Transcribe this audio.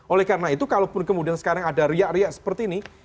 oleh karena itu kalaupun kemudian sekarang ada riak riak seperti ini